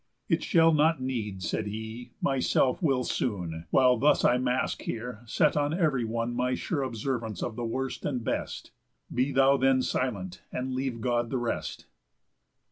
"It shall not need," said he, "myself will soon, While thus I mask here, set on ev'ry one My sure observance of the worst and best. Be thou then silent, and leave God the rest."